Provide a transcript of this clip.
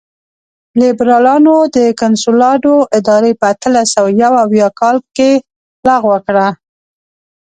لېبرالانو د کنسولاډو اداره په اتلس سوه یو اویا کال کې لغوه کړه.